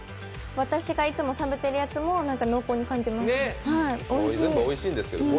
私がいつも食べてるやつよりも濃厚に感じます。